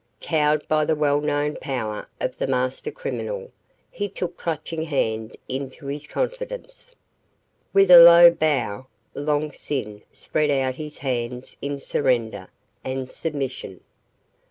Cowed by the well known power of the master criminal, he took Clutching Hand into his confidence. With a low bow, Long Sin spread out his hands in surrender and submission.